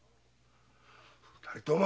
二人とも！